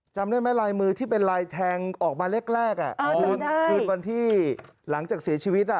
จำได้ไหมลายมือที่เป็นลายแทงออกมาแรกคืนวันที่หลังจากเสียชีวิต